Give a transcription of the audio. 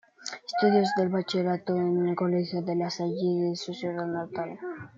Estudió el bachillerato en el Colegio de La Salle de su ciudad natal.